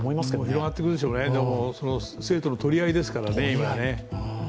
広がってくるでしょうね、生徒の取り合いですからね、今。